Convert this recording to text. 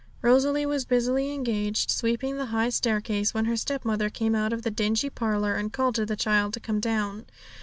Rosalie was busily engaged sweeping the high staircase, when her stepmother came out of the dingy parlour, and called to the child to come down.